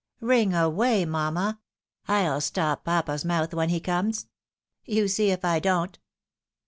Ring away, mamma, I'll stop papa's mouth when he comes. You see if I don't."